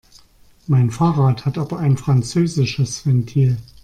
Mein Fahrrad hat aber ein französisches Ventil.